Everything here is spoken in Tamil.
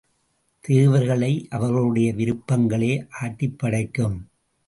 தேவர்களை அவர்களுடைய விருப்பங்களே ஆட்டிப்படைக்கும்.